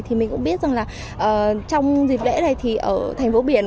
thì mình cũng biết rằng là trong dịp lễ này thì ở thành phố biển